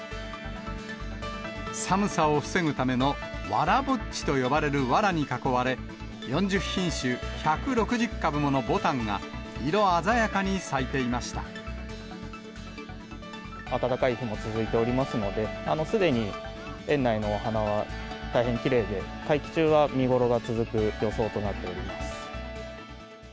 寒さを防ぐためのわらぼっちと呼ばれるわらに囲われ、４０品種１６０株ものぼたんが色鮮やか暖かい日も続いておりますので、すでに苑内のお花は大変きれいで、会期中は見頃が続く予想となっております。